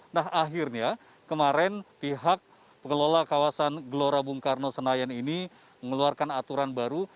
nah akhirnya kemarin pihak pengelola kawasan gelora bung karno senayan ini mengeluarkan aturan baru